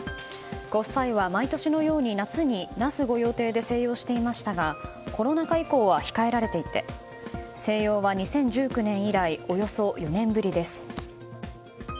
ご夫妻は、毎年のように夏に那須御用邸で静養していましたがコロナ禍以降は控えられていて静養は２０１９年以来およそ４年ぶりです。